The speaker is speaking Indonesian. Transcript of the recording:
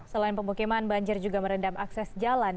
selain pemukiman banjir juga merendam akses jalan